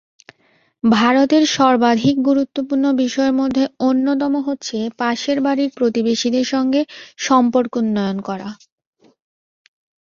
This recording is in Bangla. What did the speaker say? ভারতের সর্বাধিক গুরুত্বপূর্ণ বিষয়ের মধ্যে অন্যতম হচ্ছে পাশের বাড়ির প্রতিবেশীদের সঙ্গে সম্পর্কোন্নয়ন।